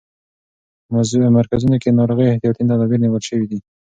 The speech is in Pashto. په مرکزونو کې د ناروغۍ احتیاطي تدابیر نیول شوي دي.